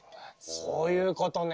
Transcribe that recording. そういうことね。